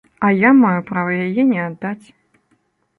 А я маю права яе не аддаць.